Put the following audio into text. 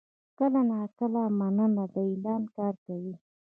کله ناکله «مننه» د اعلان کار کوي.